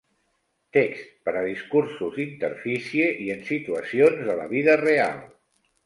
Text per a discursos d"interfície i en situacions de la vida real.